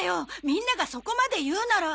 みんながそこまで言うなら。